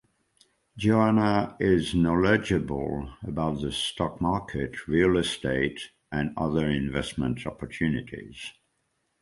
Joanna is knowledgeable about the stock market, real estate, and other investment opportunities.